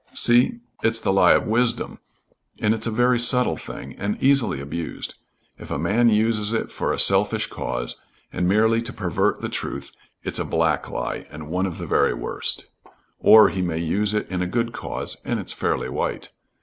See? It's the lie of wisdom, and it's a very subtle thing, and easily abused. If a man uses it for a selfish cause and merely to pervert the truth, it's a black lie, and one of the very worst. Or he may use it in a good cause, and it's fairly white.